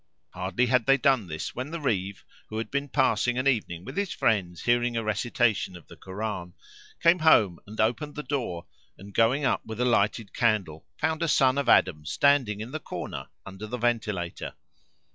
Hardly had they done this when the Reeve, who had been passing an evening with his friends hearing a recitation of the Koran, came home and opened the door and, going up with a lighted candle, found a son of Adam standing in the corner under the ventilator.